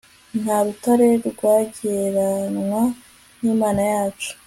nta rutare rwagereranywa n'imana yacu